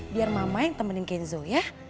biar mama yang temenin kenzo ya